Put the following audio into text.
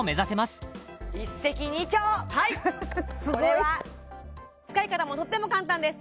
すごい使い方もとっても簡単です